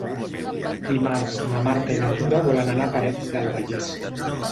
Dimarts na Marta i na Tura volen anar a Parets del Vallès.